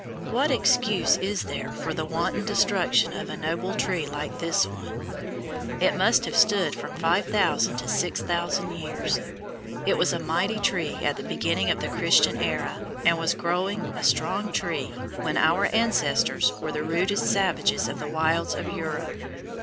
What excuse is there for the wanton destruction of a noble tree like this one? It must have stood from five thousand to six thousand years. It was a mighty tree at the beginning of the Christian era, and was growing, a strong tree, when our ancestors were the rudest savages in the wilds of Europe.